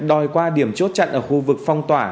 đòi qua điểm chốt chặn ở khu vực phong tỏa